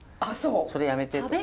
「それやめて」とか。